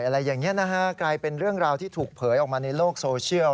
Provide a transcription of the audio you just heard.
อะไรอย่างนี้นะฮะกลายเป็นเรื่องราวที่ถูกเผยออกมาในโลกโซเชียล